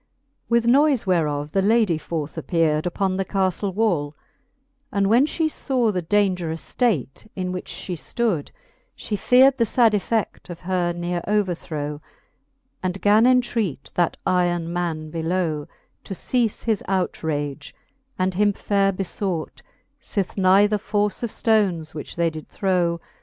With noife whereof the lady forth appeared Upon the caflle wall, and when fhe faw The daungerous ftate, in which fhe ftood, fhe feared The fad efFe£i: of her neare overthrow 5 And gan entreat that iron man below, To eafe his outrage, and him faire befbught, Sith neither force of ftoneSj which they did throw.